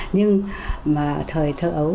nhưng mà thời thơ ấu